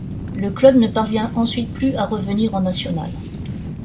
Le club ne parvient ensuite plus à revenir en nationales.